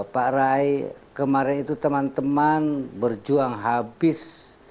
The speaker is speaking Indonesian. pak rai kemarin itu teman teman berjuang habis